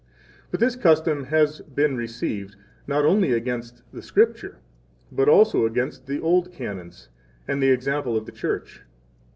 10 But this custom has been received, not only against the Scripture, but also against the old Canons 11 and the example of the Church.